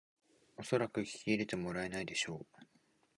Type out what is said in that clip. おそらく聞き入れてもらえないでしょう